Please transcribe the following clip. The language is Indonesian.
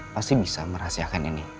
pasti bisa merahasiakan ini